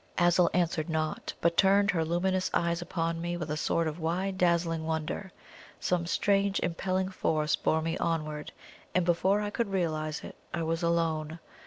Azul answered not, but turned her luminous eyes upon me with a sort of wide dazzling wonder. Some strange impelling force bore me onward, and before I could realize it I was alone.